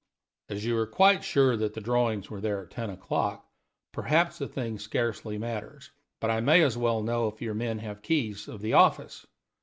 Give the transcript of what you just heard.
"As you are quite sure that the drawings were there at ten o'clock, perhaps the thing scarcely matters. But I may as well know if your men have keys of the office?"